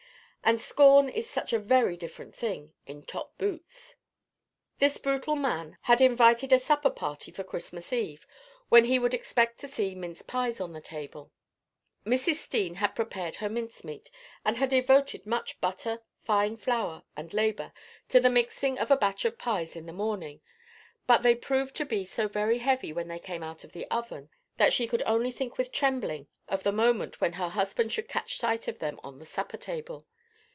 And scorn is such a very different thing in top boots! This brutal man had invited a supper party for Christmas eve, when he would expect to see mince pies on the table. Mrs. Steene had prepared her mince meat, and had devoted much butter, fine flour, and labour, to the making of a batch of pies in the morning; but they proved to be so very heavy when they came out of the oven, that she could only think with trembling of the moment when her husband should catch sight of them on the supper table.